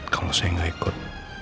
kalau saya gak ikut